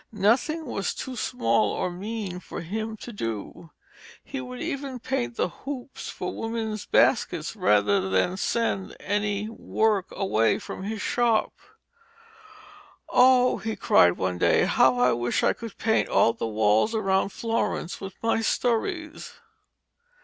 Nothing was too small or mean for him to do. He would even paint the hoops for women's baskets rather than send any work away from his shop. 'Oh,' he cried, one day, 'how I wish I could paint all the walls around Florence with my stories.'